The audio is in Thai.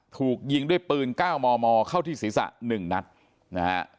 ถูกยิงด้วยปืน๙มมเข้าที่ศีรษะ๑นัดนะฮะ